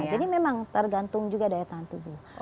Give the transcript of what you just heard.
jadi memang tergantung juga daya tahan tubuh